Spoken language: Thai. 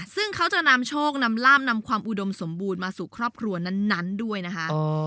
ซึ่งเขาจะนำโชคนำลาบนำความอุดมสมบูรณ์มาสู่ครอบครัวนั้นด้วยนะคะ